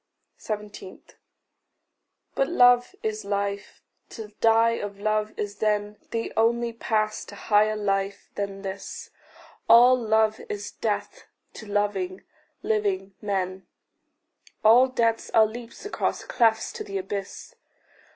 17. But love is life. To die of love is then The only pass to higher life than this. All love is death to loving, living men; All deaths are leaps across clefts to the abyss.